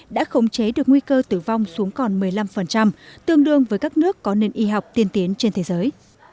đã khống chế được nguy cơ tử vong xuống còn một mươi năm tương đương với các nước có nền y học tiên tiến trên thế giới